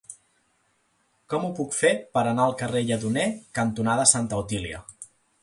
Com ho puc fer per anar al carrer Lledoner cantonada Santa Otília?